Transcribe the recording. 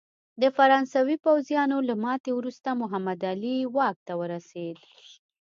د فرانسوي پوځیانو له ماتې وروسته محمد علي واک ته ورسېد.